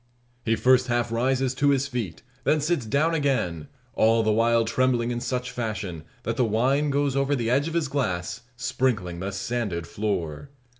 He first half rises to his feet, then sits down again; all the while trembling in such fashion, that the wine goes over the edge of his glass, sprinkling the sanded floor.